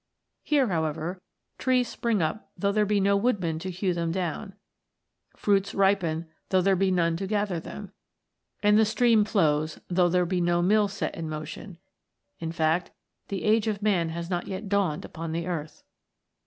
Here, however, trees spring up though there be no woodman to hew them down, fruits ripen though there be none to gather them, and the stream flows though there be no mill to set in motion ; in fact, the age of man has not yet dawned upon the earth.